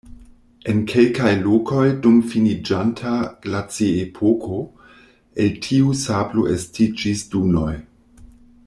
En kelkaj lokoj dum finiĝanta glaciepoko el tiu sablo estiĝis dunoj.